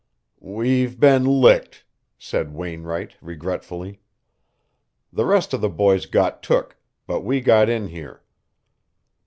"We've been licked," said Wainwright regretfully. "The rest of the boys got took, but we got in here.